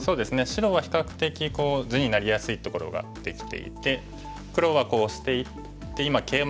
白は比較的地になりやすいところができていて黒はオシていって今ケイマしたところですね。